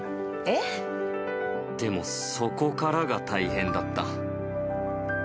でも、そこからが大変だった。